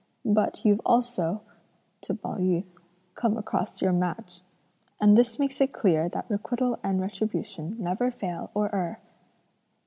But you've also (to Pao yü) come across your match. And this makes it clear that requital and retribution never fail or err."